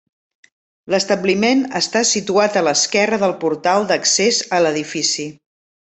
L'establiment està situat a l'esquerre del portal d'accés a l'edifici.